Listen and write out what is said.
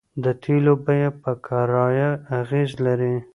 د تیلو بیه په کرایه اغیز لري